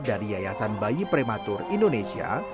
dari yayasan bayi prematur indonesia